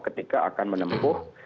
ketika akan menempuh